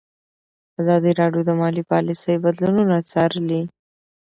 ازادي راډیو د مالي پالیسي بدلونونه څارلي.